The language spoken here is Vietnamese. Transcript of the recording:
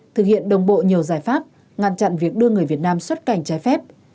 thực hiện đồng bộ nhiều giải pháp ngăn chặn việc đưa người việt nam xuất cảnh trái phép